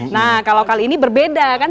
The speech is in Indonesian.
nah kalau kali ini berbeda kan